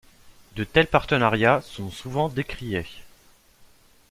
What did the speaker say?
De tels partenariats sont souvent décriés.